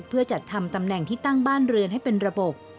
เพื่อจัดทำตำแหน่งที่ตั้งบ้านเรือนให้เป็นระบบ